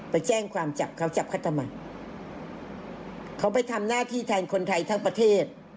ไปแจ้งความจับเขาจับเขาทำไมเขาไปทำหน้าที่แทนคนไทยทั้งประเทศ